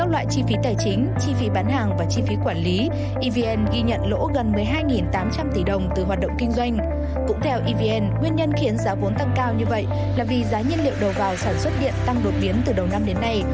là vì giá nhiên liệu đầu vào sản xuất điện tăng đột biến từ đầu năm đến nay